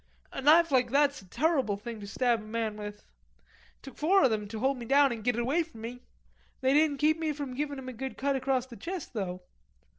A knife like that's a turruble thing to stab a man with. It took four of 'em to hold me down an' git it away from me. They didn't keep me from givin' him a good cut across the chest, though.